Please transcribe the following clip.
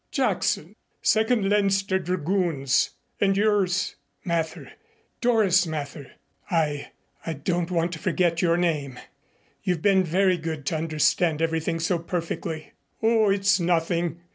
"Jackson. Second Leinster Dragoons. And yours?" "Mather Doris Mather. I I don't want to forget your name. You've been very good to understand everything so perfectly." "Oh, it's nothing.